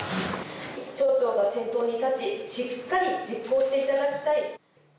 町長が先頭に立ちしっかり実行していただきたい。